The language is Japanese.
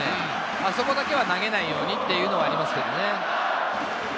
あそこだけは投げないようにというのはありますけどね。